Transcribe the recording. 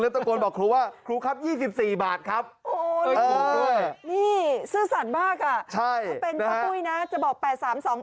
ครับโอ้ยนี่ซื่อสั่นมากอ่ะใช่ถ้าเป็นนะฮะจะบอกแปดสามสอง